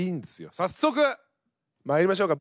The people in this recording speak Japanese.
早速まいりましょうか。